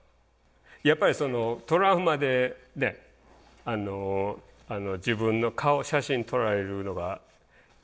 やっぱりそのトラウマで自分の顔写真撮られるのが嫌になって。